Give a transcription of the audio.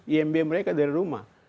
imb mereka dari rumah